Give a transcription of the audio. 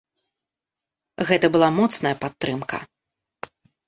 Гэта была моцная падтрымка.